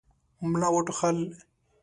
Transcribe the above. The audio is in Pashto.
ملا وټوخل.